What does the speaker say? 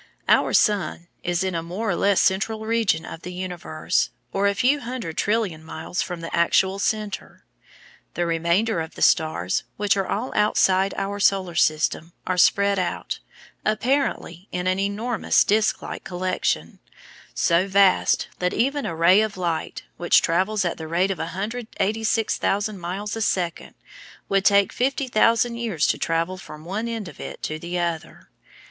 Our sun is in a more or less central region of the universe, or a few hundred trillion miles from the actual centre. The remainder of the stars, which are all outside our Solar System, are spread out, apparently, in an enormous disc like collection, so vast that even a ray of light, which travels at the rate of 186,000 miles a second, would take 50,000 years to travel from one end of it to the other.